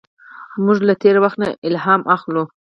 موږ له تېر وخت نه الهام اخلو.